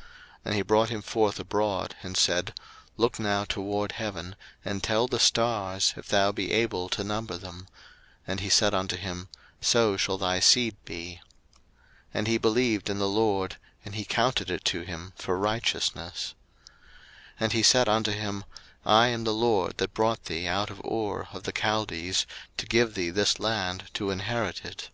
01:015:005 And he brought him forth abroad, and said, Look now toward heaven, and tell the stars, if thou be able to number them: and he said unto him, So shall thy seed be. 01:015:006 And he believed in the LORD; and he counted it to him for righteousness. 01:015:007 And he said unto him, I am the LORD that brought thee out of Ur of the Chaldees, to give thee this land to inherit it.